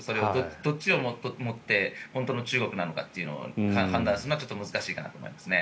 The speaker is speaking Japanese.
どっちをもって本当の中国のなのかを判断するのは難しいかなと思いますね。